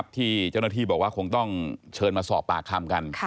ที่เจ้าหน้าที่บอกว่าคงต้องเชิญมาสอบปากคำกัน